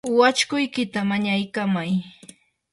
wachukuykita mañaykamay.